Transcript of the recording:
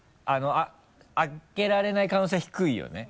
開けられない可能性は低いよね。